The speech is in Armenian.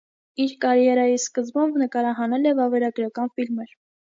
Իր կարիերայի սկզբում նկարահանել է վավերագրական ֆիլմեր։